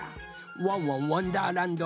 「ワンワンわんだーらんど」